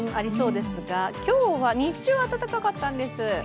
今日は日中は暖かかったんです。